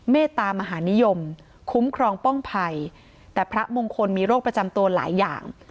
เมตตามหานิยมคุ้มครองป้องภัยแต่พระมงคลมีโรคประจำตัวหลายอย่าง